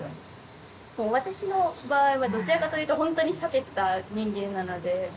私の場合はどちらかというと本当に避けてた人間なので。